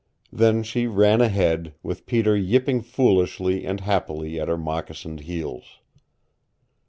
Then she ran ahead, with Peter yipping foolishly and happily at her moccasined heels.